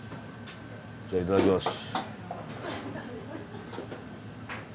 じゃあいただきます。